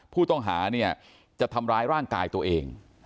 ผู้ต้องหาเนี่ยจะทำร้ายร่างกายตัวเอง